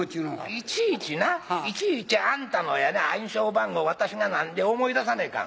いちいちないちいちあんたのやな暗証番号私が何で思い出さないかん。